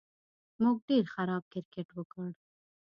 موږ ډېر خراب کرېکټ وکړ